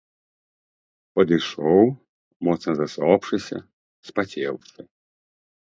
Падышоў, моцна засопшыся, спацеўшы.